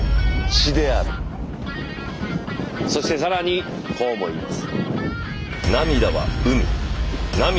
そして更にこうも言います。